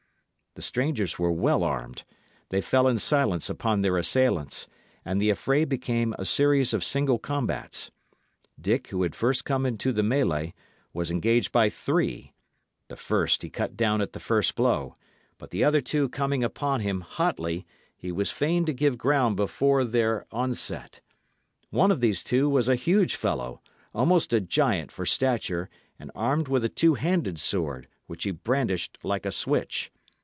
The strangers were well armed; they fell in silence upon their assailants; and the affray became a series of single combats. Dick, who had come first into the mellay, was engaged by three; the first he cut down at the first blow, but the other two coming upon him, hotly, he was fain to give ground before their onset. One of these two was a huge fellow, almost a giant for stature, and armed with a two handed sword, which he brandished like a switch.